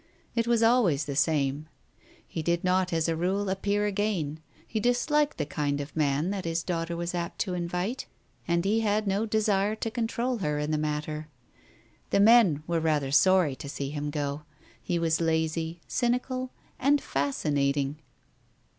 It was always the same. He did not as a rule appear again : he disliked the kind of man that his daughter was apt to invite, and he had no desire to control her in the matter* The men were rather sorry to see him go, he was lazy, cynical and fascinating.